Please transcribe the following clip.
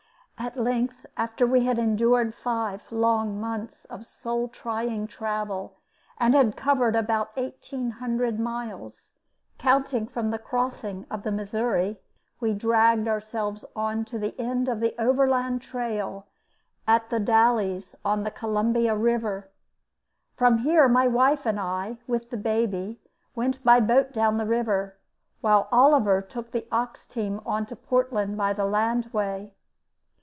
] At length, after we had endured five long months of soul trying travel and had covered about eighteen hundred miles, counting from the crossing of the Missouri, we dragged ourselves on to the end of the Overland Trail at The Dalles on the Columbia River. From here my wife and I, with the baby, went by boat down the river, while Oliver took the ox team on to Portland by the land way.